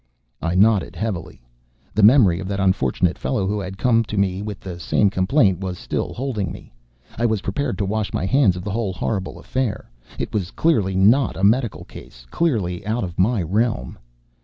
I nodded heavily. The memory, of that unfortunate fellow who had come to me with the same complaint was still holding me. I was prepared to wash my hands of the whole horrible affair. It was clearly not a medical case, clearly out of my realm.